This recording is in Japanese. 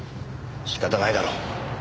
仕方ないだろう。